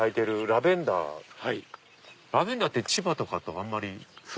ラベンダーって千葉とかとあんまり。